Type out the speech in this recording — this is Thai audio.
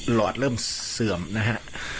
หลอดเริ่มเสื่อมนะฮะ